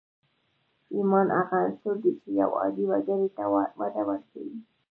ايمان هغه عنصر دی چې يو عادي وګړي ته وده ورکوي.